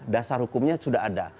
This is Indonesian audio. dasar hukumnya sudah ada